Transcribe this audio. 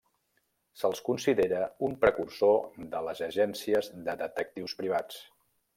Se'l considera un precursor de les agències de detectius privats.